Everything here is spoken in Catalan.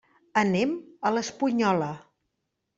Anem a l'Espunyola.